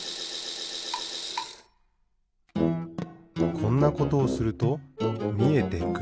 こんなことをするとみえてくる。